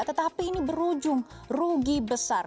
tetapi ini berujung rugi besar